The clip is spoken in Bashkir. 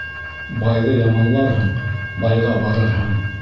Байҙы яманларһың, байға барырһың.